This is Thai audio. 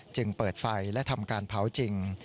จึงเปิดไฟและทำการเผาจริง